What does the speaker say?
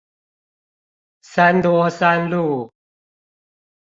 三多三路